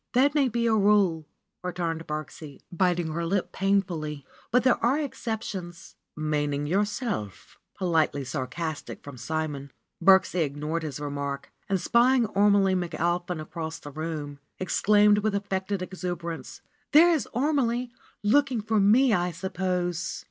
"That may be a rule," returned Birksie, biting her lip painfully, "but there are exceptions." "Meaning yourself ?" politely sarcastic from Simon. Birksie ignored his remark, and spying Ormelie McAlpin across the room, exclaimed with affected ex uberance : "There is Ormelie ! Looking for me, I suppose."